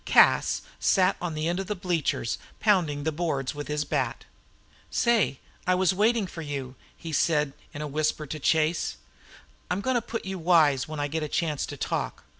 Cas sat on the end of the bleachers, pounding the boards with his bat. "Say, I was waiting for you," he said in a whisper to Chase. "I'm going to put you wise when I get a chance to talk.